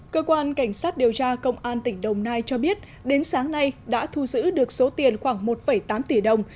cơ quan cảnh sát điều tra công an tỉnh đồng nai cho biết đến sáng nay đã thu giữ được số tiền khoảng một tám tỷ đồng